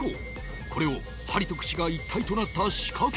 これを針と串が一体となった仕掛けに取り付け